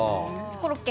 コロッケ！